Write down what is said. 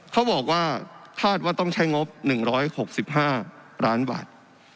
เขาบอกว่าท่านว่าต้องใช้งบ๑๖๕ล้านบาท